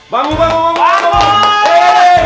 bangun bangun bangun